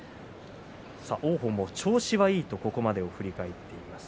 王鵬も調子はいいとここまでを振り返っています。